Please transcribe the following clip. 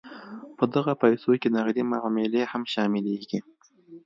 په دغه پیسو کې نغدې معاملې هم شاملیږي.